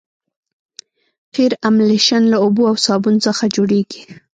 قیر املشن له اوبو او صابون څخه جوړیږي